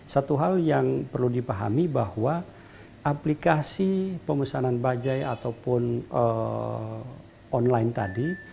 satu hal yang perlu dipahami bahwa aplikasi pemesanan bajai ataupun online tadi